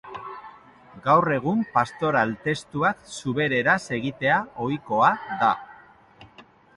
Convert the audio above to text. Gaur egun pastoral testuak zubereraz egitea ohikoa da.